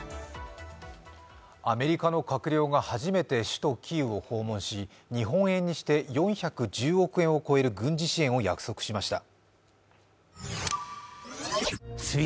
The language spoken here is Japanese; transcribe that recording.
アメリカの閣僚が初めて首都キーウを訪問し日本円にして４１０億円を超える軍事支援を約束しました。